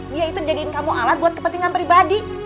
dia itu jadiin kamu alat buat kepentingan pribadi